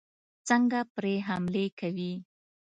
څنګه پرې حملې کوي.